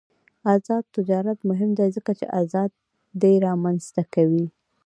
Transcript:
آزاد تجارت مهم دی ځکه چې ازادي رامنځته کوي.